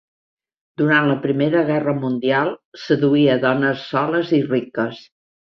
Durant la Primera Guerra Mundial, seduïa dones soles i riques.